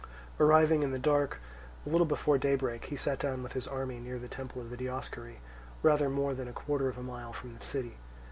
Arriving in the dark a little before daybreak, he sat down with his army near the temple of the Dioscuri, rather more than a quarter of a mile from the city.